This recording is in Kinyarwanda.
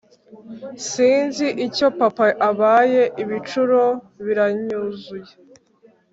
sinzi icyo papa abaye ibicuro biranyuzuye."